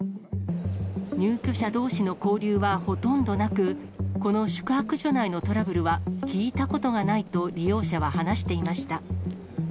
入居者どうしの交流はほとんどなく、この宿泊所内のトラブルは聞いたことがないと、利用者は話していました。